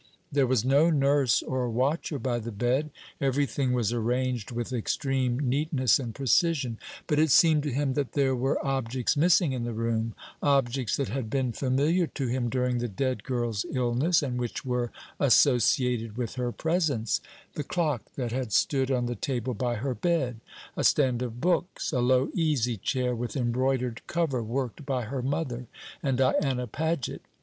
There was no nurse or watcher by the bed. Everything was arranged with extreme neatness and precision; but it seemed to him that there were objects missing in the room, objects that had been familiar to him during the dead girl's illness, and which were associated with her presence, the clock that had stood on the table by her bed, a stand of books, a low easy chair, with embroidered cover worked by her mother and Diana Paget.